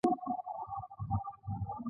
حال دا چې هغه پخپله مسوول نه دی.